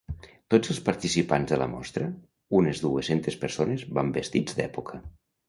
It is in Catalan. Tots els participants de la mostra, unes dues-centes persones, van vestits d'època.